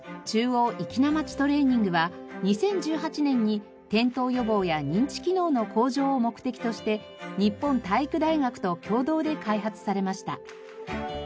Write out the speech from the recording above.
中央粋なまちトレーニングは２０１８年に転倒予防や認知機能の向上を目的として日本体育大学と共同で開発されました。